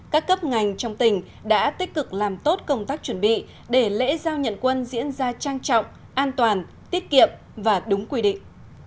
các cấp ngành trong tỉnh đã tích cực làm tốt công tác chuẩn bị để lễ giao nhận quân diễn ra trang trọng an toàn tiết kiệm và đúng quy định